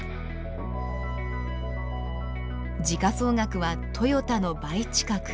時価総額はトヨタの倍近く。